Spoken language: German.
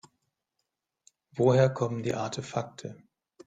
Woher kommen die Artefakte?